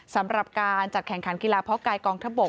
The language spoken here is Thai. สำหรับการจัดแข่งขันกีฬาเพาะกายกองทบก